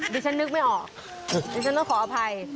ดิฉันนึกไม่ออกดิฉันต้องขออภัย